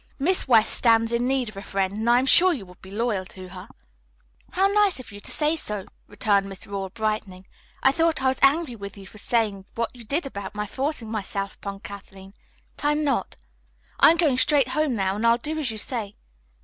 Miss West stands in need of a friend, and I am sure you would be loyal to her." "How nice in you to say so," returned Miss Rawle, brightening. "I thought I was angry with you for saying what you did about my forcing myself upon Kathleen, but I'm not. I am going straight home, now, and I'll do as you say.